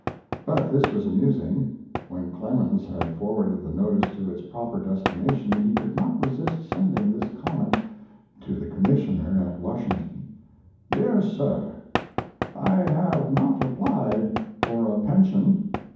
But this was amusing. When Clemens had forwarded the notice to its proper destination he could not resist sending this comment to the commissioner at Washington: DEAR SIR, I have not applied for a pension.